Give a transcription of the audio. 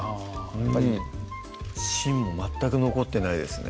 やっぱり芯も全く残ってないですね